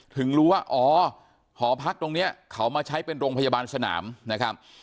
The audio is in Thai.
ถึงรู้ว่าอ๋อหอพักตรงนี้เขามาใช้เป็นโรงพยาบาลสนามนะครับ